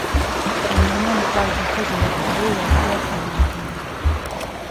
د میرمنو کار د ښځو رهبري وړتیا پیاوړې کوي.